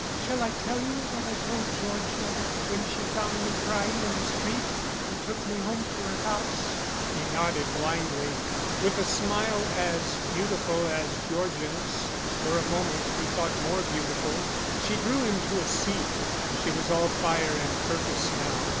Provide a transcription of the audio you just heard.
Shall I tell you what I told Georgian when she found me crying in the street and took me home to her house?" He nodded blindly. With a smile as beautiful as Georgian's for a moment he thought more beautiful she drew him to a seat. She was all fire and purpose now.